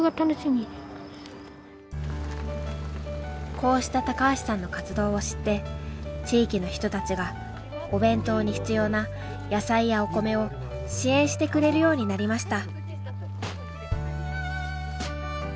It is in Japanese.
こうした高橋さんの活動を知って地域の人たちがお弁当に必要な野菜やお米を支援してくれるようになりました。